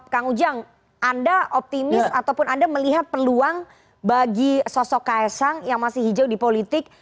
kang ujang anda optimis ataupun anda melihat peluang bagi sosok kaisang yang masih hijau di politik